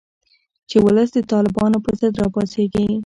چې ولس د طالبانو په ضد راپاڅیږي